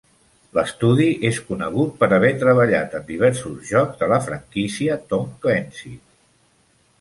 L'estudi és conegut per haver treballat en diversos jocs de la franquícia Tom Clancy.